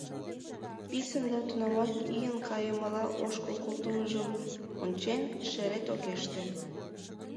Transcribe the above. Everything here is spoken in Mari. Писын да тунамак ийын кайымыла ошкыл колтымыжым ончен, шерет огеш тем.